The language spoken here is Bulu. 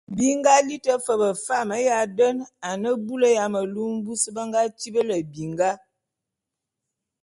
Bi nga liti fe befam ya den a ne bulu ya melu mvus be nga tibili binga.